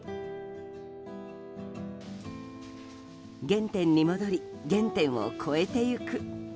原点に戻り原点を超えていく。